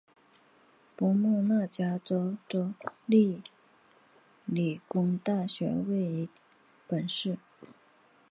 波莫纳加州州立理工大学位于本市。